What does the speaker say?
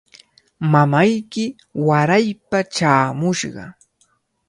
Mamayki waraypa chaamushqa.